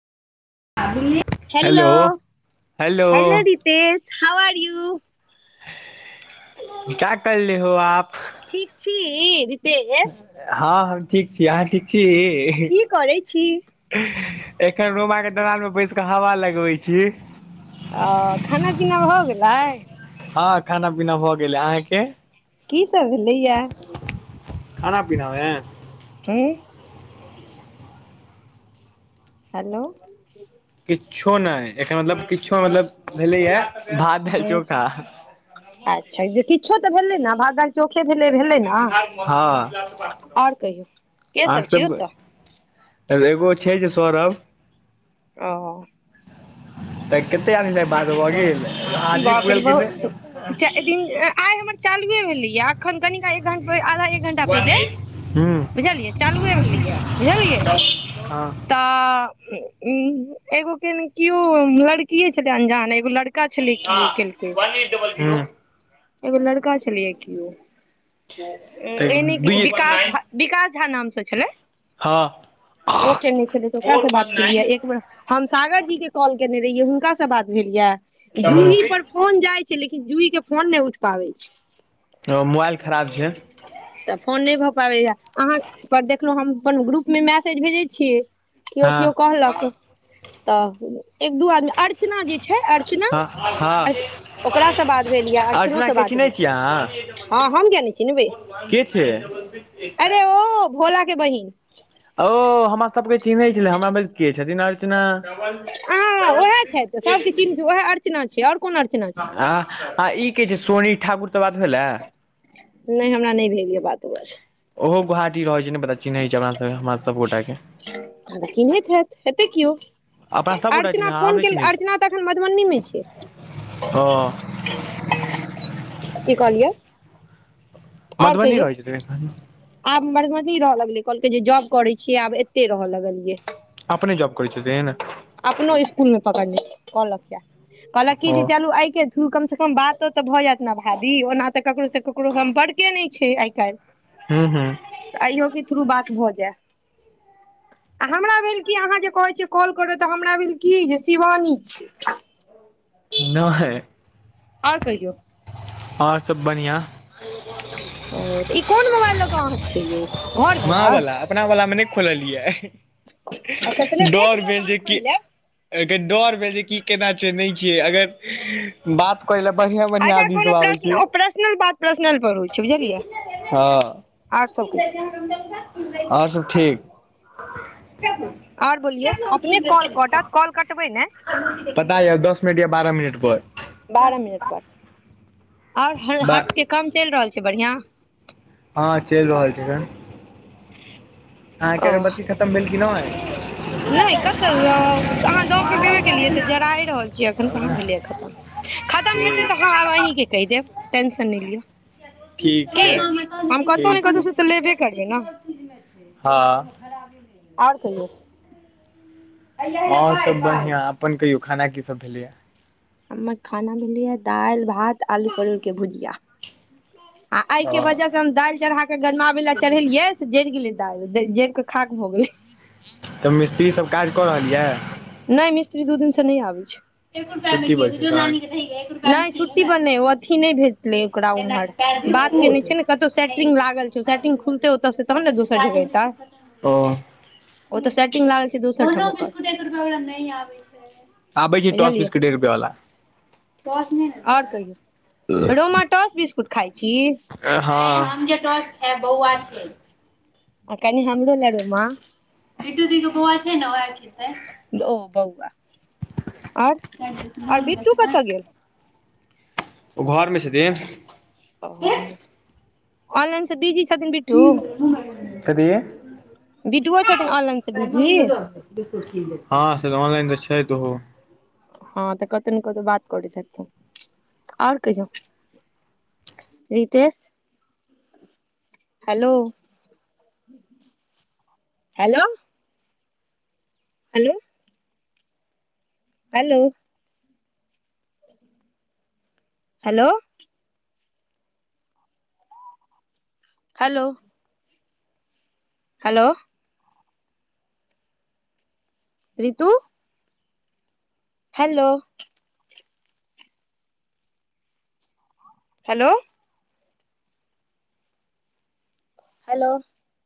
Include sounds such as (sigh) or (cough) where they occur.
hello hello Ritesh how are U (inaudible) ठीक छी रितेश हँ हम ठीक छी अहाँ ठीक छी की करै छी एखन रोमा के दलान पे बैस कऽ हवा लगबै छी ओ खाना पीना भऽ गेलै हँ खाना पीना भऽ गेलै अहाँके की सब भेलै यऽ खाना पिना मे हुँ हेलो किछो नहि एकर मतलब किछो नय मतलब भेलैए भात दालि ह चोखा अच्छा जे किछो तऽ भेलै नऽ भात दाल चोखे भेले भेलै न हँ और कहियौ के सब छियौ ओतऽ एगो छै जे सौरभ ओ तऽ कते आदमी से आय बात भऽ गेल आदमी बाप रे पुरलखिन बुहत (unintelligible) दिन आइ हमर चालुए भेलैए एखन कनी एक घंटा आधा एक एक घंटा पहिले हूँ बुझलिए चालुए भेलै यऽ बुझलिए हँ तऽ एगो के किओ लड़कीे छले अंजान एगो लड़का छलै कि ओ हँ केलकै डबल (unintelligible) एगो लड़का छलियए किओ तऽ एहने किछै दुइये विकास झा विकास झा नामसँ छलै हँ ओ केने छले तऽ ओकरा सँ बात केलियै एक बेर हम सागर जी के कॉल केने रहियै हुनका से बात भेल ये जूही पर फोन जाइ छै लेकिन जूई के फोन नहि उठ पाबै छै मोबाइल खराब छै तऽ फोन नहि भऽ पाबै यऽ अहाँ पर देखलहुँ हम अपन ग्रुपमे मैसेज भेजै छियै केओ हँ केओ कहलक तऽ एक दू आदमी अर्चना जे छै अर्चना हँ हँ ओकरासँ बात भेल या अर्चनो अर्चना से के बात चिन्है भेल छियै अहाँ हँ हम किया नय के छै अरे ओ भोला के बहिन ओ हमरा सबके चिन्है छलै हमरा भेल के छथिन अर्चणा (unintelligible) (unintelligible) कोनो आ आ ई की जे सोनी ठाकुर त बात भेलैए नहि हमरा नहि भेल यऽ बात ओकरा से ओहो गुवहाटी रहैत छै नइ पता चिन्है छै हमरा सभ हमरा सभ गोटाके आ त चिनहैत हेतै केओ अपना सबगोटा के अर्चना चिन्है छै, हम फोन नहि केल चिन्है छी अर्चना तऽ एखन मधुबनीमे छै ओ (unintelligible) की कहलियै आओर मधुबनी कहियौ रहै छथिन आब मरमती रहय लगलेै कहलकै जे जॉब करै छियै आब एते रहय लगलियै अपने जॉब करैत छथि अपनो स्कुल मे पकड़ने कहलक य कहलक की ओ जे चलू अय के थ्रु कमसँ कम बातो तऽ भऽ जायत ने भाभी ओना तऽ ककरोसँ ककरो संपर्क के नहि छै आइ काल्हि हूंम्म हूंम्म तऽ अइयो के थ्रू बात भऽ जाय आ हमरा भेल कि आहाँ जे कहै छिय कॉल कहलौं तऽ हमरा भेल की जे शिवानी छी नहि आओर कहियौ आओर सभ बढ़ियाँ ओ तऽ ई कोन मोबाइल लऽ कऽ अहाँ छियै यौ घर माँ वला अपना वला मे नहि खोललियै अच्छा पहिले देख डर लियौ भेल तहन जेकि खोलि लेब एके डोर भेल जे की केना छै नहि छियै अगर बात करै ले बढ़ियाँ बढ़ियाँ अच्छा आदमी कोनो सब आबै प्रश्न छै ओ पर्सनल बात पर्सनल पर हो छै बुझलियै हँ आर सब कहियौ आओर सभ ठीक आओर बोलियौ अपने कॉल कटत कॉल कटबै ने पता ये दस मिनट या बारह मिनट पर बारह मिनट पर आओर हर हर्षके के काम चल रहल छै बढ़ियाँ हँ चलि रहल छै आहाँ ओ के अगरबत्ती खतम भेल कि नहि नहि कतहु आहाँ दऽ कऽ गबे केलियै तऽ जराए रहल छियै अखन कहाँ भेलियै खतम खतम हेतै तऽ हम आब ठीक आहिके कहि देब टेंशन नहि लिअ की हम ठीक कतहु ने कतहुसँ तऽ लेबे करबै ने हँ (unintelligible) आओर कहियौ हँं सब बढ़िया अपन कहियौ खाना की सब भेलैया हमर खाना भेलैये दालि भात आलू परोर के भुजिया आ एहि के ओ वजह से हम दाल चरहाके गरमाबै लए चढ़ेलियै से जरि गेलै दालि जरिके खाक भऽ गेलै तऽ मिस्त्री सब काज कऽ रहल यऽ नहि मिस्त्री दू दिन सँ नहि आबै छै एक रुपैया तेहिन तऽ (unintelligible) नहि छुट्टी पर नहि ओ अथी नहि भेज ओकरा जेना कि उम्हर पैर बात के छै ने कत‌उ नहि सैटरिगं एतै लागल छै सैटरिगं खुलते ओतऽ से तहन ने दोसर जगह एतऽ त (inaudible) लागल छै दोसर ठाम ओकर (unintelligible) आबई टस बुझलियै बिस्कूट कि रुपआला (unintelligible) (inaudible) टासने (unintelligible) और कहियौ रोमा टस बिस्कुट खाइ छी गय ह हम नई टस खेब छै बहु आ छै (unintelligible) आ कनि हमरो ले रोमा बिटू दी के बौआ छै ने ओएह खेतै आर आ बिट्टू कतऽ गेल ओ घरमे छथिन ओ ऑनलाइनसँ बीजी छथिन बिटु कथी बिटूओ छथिन ऑनलाइन सँ बिजी हँ सै तऽ ऑनलाइन तऽ छैत ओहो हँ तऽ कतौ ने कतौ बात करैत छथिन आओर कहियो Ritesh hello hello hello hello hello hello hello Ritu hello hello hello